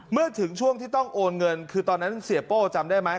เมื่อถึงช่วงที่ต้องโอนเงินคือตอนนั้นเสียโป้จำได้ไหม